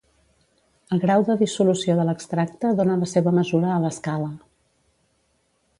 El grau de dissolució de l'extracte dóna la seva mesura a l'escala.